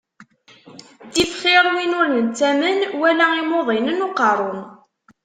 Ttif xiṛ win ur nettamen wala imuḍinen n uqeṛṛu.